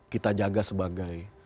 kita jaga sebagai